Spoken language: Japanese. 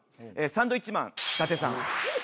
サンドウィッチマン伊達さん。